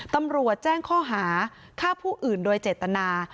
ตำรวจแจ้งข้อหาฆ่าผู้อื่นโดยเจตนา